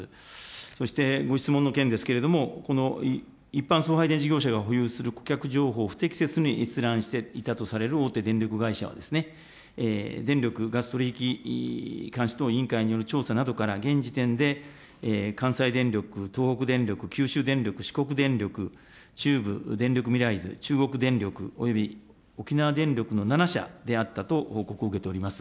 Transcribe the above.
そして、ご質問の件ですけれども、この一般送配電事業者が保有する顧客情報を不適切に閲覧していたとされる大手電力会社は、電力ガス取引監視等委員会による調査などから現時点で、関西電力、東北電力、九州電力、四国電力、中部電力未来図、中国電力および沖縄電力の７社であったと報告を受けております。